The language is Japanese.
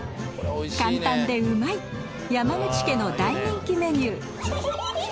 簡単でうまい山口家の大人気メニュー。